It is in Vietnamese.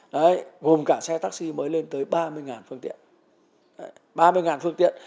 gồm cả xe taxi mới lên tới ba mươi phương tiện